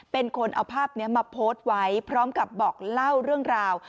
เป็นคนเอาภาพนี้มาโพสต์ไว้พร้อมกับบอกเล่าเรื่องราว